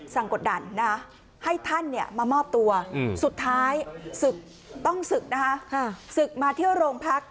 กดดันนะให้ท่านมามอบตัวสุดท้ายศึกต้องศึกนะคะศึกมาเที่ยวโรงพัก